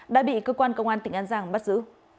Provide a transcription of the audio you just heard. đã bị cơ quan công an tỉnh an giang bắt giữ